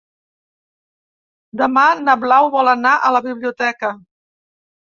Demà na Blau vol anar a la biblioteca.